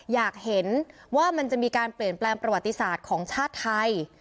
อยากเห็นว่ามันจะมีการเปลี่ยนแปลงประวัติศาสตร์ของชาติไทย